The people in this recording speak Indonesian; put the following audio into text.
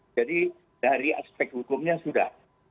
jadi dari aspek hukumnya sudah